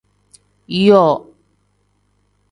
Yoo.